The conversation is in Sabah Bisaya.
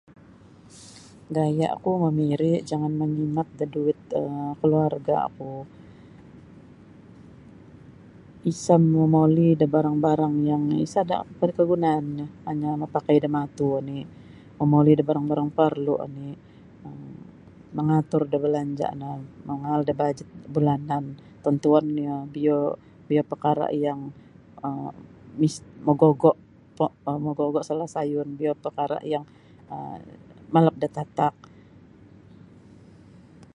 Gaya'ku mamiri' jangan mangimat da duit um kaluarga'ku isa' momoli da barang-barang yang isada' barkagunaannyo hanya' mapakai da matu oni' momoli da barang-barang porlu oni um mangatur da belanja' no mangaal da bajet bulanan tontuon nio biyo biyo pakara' yang um mis mogogo' to' salasayun biyo pakara' yang malap datatak.